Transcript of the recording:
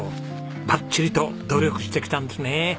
バッチリと努力してきたんですね。